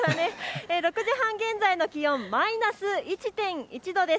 ６時半現在の気温、マイナス１．１度です。